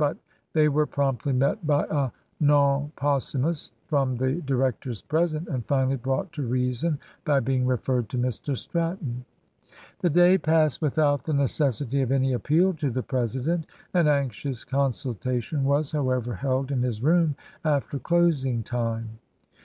But they were promptly met by a non possumus from the directors present, and finally brought to reason by being referred to Mr Stratton. The day passed without the necessity of any appeal to the president. An anxious consultation was, however, held in his room after closing time.